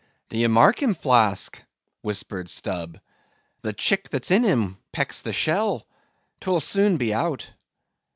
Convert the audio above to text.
"D'ye mark him, Flask?" whispered Stubb; "the chick that's in him pecks the shell. 'Twill soon be out."